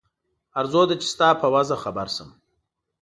آرزو ده چې ستا په وضع خبر شم.